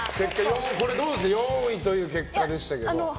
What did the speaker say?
どうですか４位という結果でしたけど。